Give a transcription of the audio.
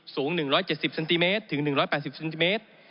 สูง๑๗๐เซนติเมตรถึง๑๘๐เซนติเมตร